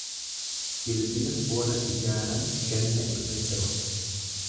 Dildila bona ijaaran ganna irra cehu.